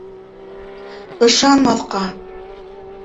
Ышанмаҫҡа...